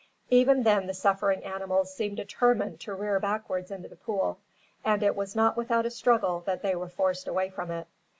Even then the suffering animals seemed determined to rear backwards into the pool; and it was not without a struggle that they were forced away from it.